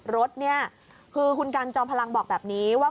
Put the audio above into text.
รถเนี่ยคือคุณกันจอมพลังบอกแบบนี้ว่า